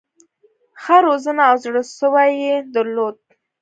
ښه روزنه او زړه سوی یې درلود.